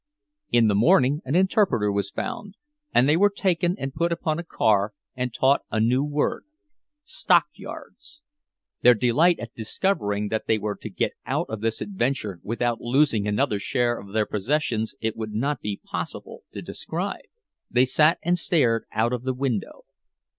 In the morning an interpreter was found, and they were taken and put upon a car, and taught a new word—"stockyards." Their delight at discovering that they were to get out of this adventure without losing another share of their possessions it would not be possible to describe. They sat and stared out of the window.